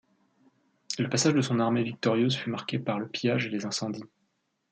Le passage de son armée victorieuse fut marqué par le Pillage et les incendies.